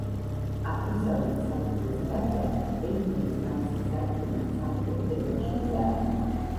აღმოსავლეთ სარკმლის გარდა, ერთი მსგავსი სარკმელი სამხრეთ კედელშიცაა.